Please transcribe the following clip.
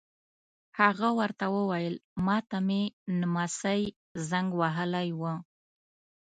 هغه ور ته وویل: ما ته مې نمسی زنګ وهلی و.